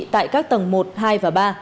tại các tầng một hai và ba